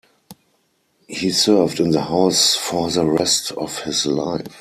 He served in the House for the rest of his life.